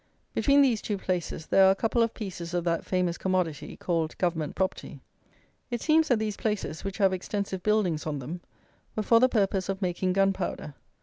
Between these two places there are a couple of pieces of that famous commodity, called "Government property." It seems that these places, which have extensive buildings on them, were for the purpose of making gunpowder.